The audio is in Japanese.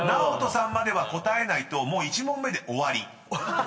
ＮＡＯＴＯさんまでは答えないともう１問目で終わり］